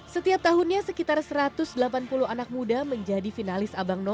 setiap tahunnya sekitar satu ratus delapan puluh anak muda menjadi finalis abang none